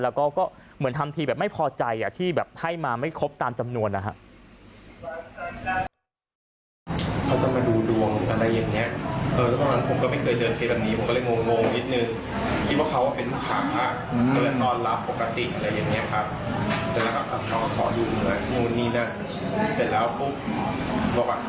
แล้วก็เหมือนทำทีแบบไม่พอใจที่แบบให้มาไม่ครบตามจำนวนนะครับ